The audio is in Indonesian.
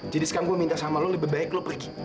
jadi sekarang saya minta sama kamu lebih baik kamu pergi